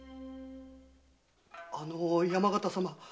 あの山形様